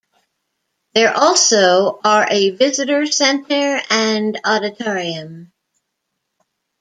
There also are a visitor center and auditorium.